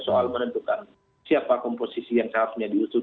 soal menentukan siapa komposisi yang seharusnya diusung